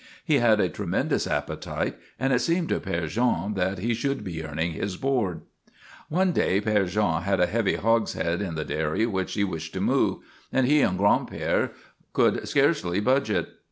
He had a tremendous appetite, and it seemed to Père Jean that he should be earning his board. One day Père Jean had a heavy hogshead in the dairy which he wished to move, and he and Gran'père could scarcely budge it.